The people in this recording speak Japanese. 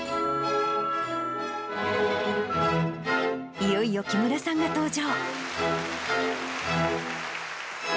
いよいよ木村さんが登場。